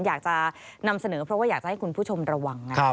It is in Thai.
อยากจะนำเสนอเพราะว่าอยากจะให้คุณผู้ชมระวังนะครับ